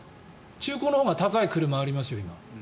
中古のほうが高い車ありますよ。